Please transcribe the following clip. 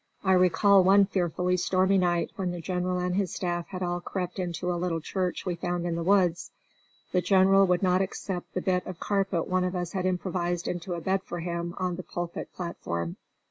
I recall one fearfully stormy night when the General and his staff had all crept into a little church we found in the woods. The General would not accept the bit of carpet one of us had improvised into a bed for him on the pulpit platform.